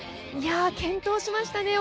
健闘しましたね。